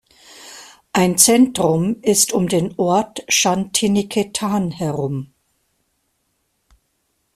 Ein Zentrum ist um den Ort Shantiniketan herum.